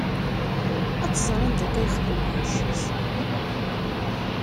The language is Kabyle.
Ad-tẓer anda akka yexdem lɛecc-is.